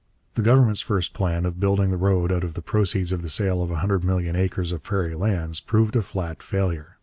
The Government's first plan of building the road out of the proceeds of the sale of a hundred million acres of prairie lands proved a flat failure.